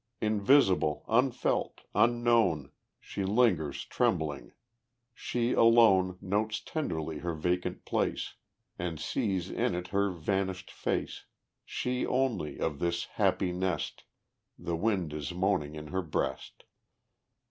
Invisible, unfelt, unknown, She lingers trembling. She alone Notes tenderly her vacant place, And sees in it her vanished face; She only of this happy nest! The wind is moaning in her breast.